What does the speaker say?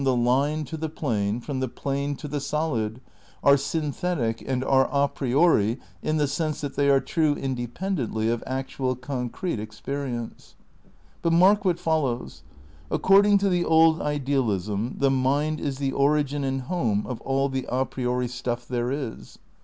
e line to the plane, from the plane to the solid — are synthetic and are a priori in the sense that they are true independently of actual concrete experience. But mark what follows. According to the Old Ideal ism the mind is the origin and home of all the a priori stuff there is.